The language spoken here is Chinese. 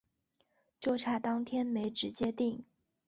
就差当天没直接订